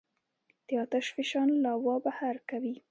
د آتش فشان لاوا بهر کوي.